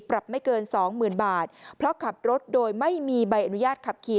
ปรับไม่เกิน๒๐๐๐๐บาทเพราะขับรถโดยไม่มีใบอนุญาตขับขี่